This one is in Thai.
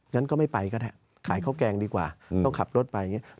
งั้นก็ไม่ไปก็ได้ขายข้าวแกงดีกว่าต้องขับรถไปอย่างนี้